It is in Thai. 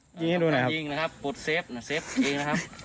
ช่วยหน่อยนะครับก่อนการยิงนะครับปลดเซฟเองนะครับ